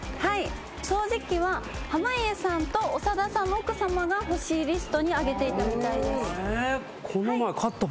掃除機は濱家さんと長田さんの奥さまが欲しいリストにあげていたみたいです。